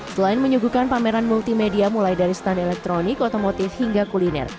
selain menyuguhkan pameran multimedia mulai dari stand elektronik otomotif hingga kuliner